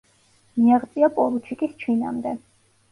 მიაღწია პორუჩიკის ჩინამდე.